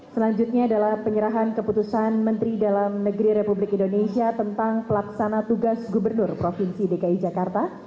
selanjutnya adalah penyerahan keputusan menteri dalam negeri republik indonesia tentang pelaksana tugas gubernur provinsi dki jakarta